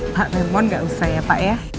pak remon gak usah ya pak ya